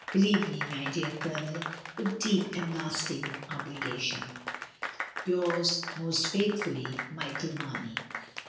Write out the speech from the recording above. Believe me, my dear Colonel, with deep and lasting obligation, "Yours most faithfully, "Michael Marnev."